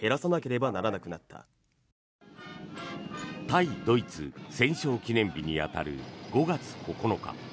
対ドイツ戦勝記念日に当たる５月９日。